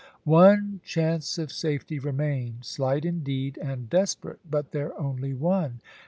One chance of safety remained, slight indeed and desperate, but their only one.